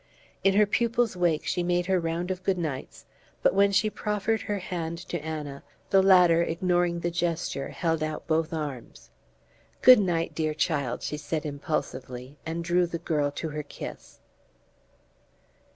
In her pupil's wake she made her round of good nights; but when she proffered her hand to Anna, the latter ignoring the gesture held out both arms. "Good night, dear child," she said impulsively, and drew the girl to her kiss.